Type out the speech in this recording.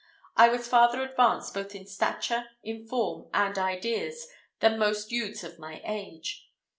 I was farther advanced both in stature, in form, and ideas, than most youths of my age.